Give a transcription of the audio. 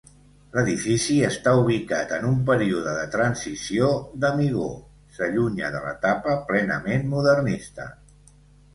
L'edifici està ubicat en un període de transició d'Amigó, s'allunya de l'etapa plenament modernista.